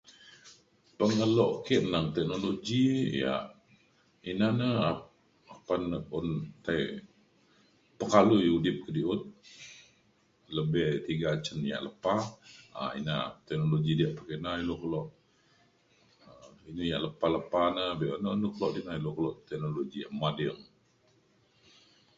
pengelo ke neng teknologi yak ina na apan le un tai pekalui udip kediut lebih tiga cin yak lepa um ina teknologi diak pekina ilu kelo um ini yak lepa lepa na be’un un di na ilu kelo teknologi yak mading